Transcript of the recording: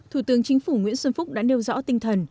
thủ tướng chính phủ nguyễn xuân phúc đã nêu rõ tinh thần